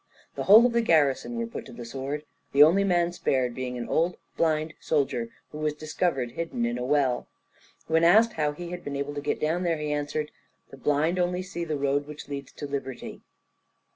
The whole of the garrison were put to the sword, the only man spared being an old blind soldier, who was discovered hidden in a well. When asked how he had been able to get down there, he answered, "The blind only see the road which leads to liberty."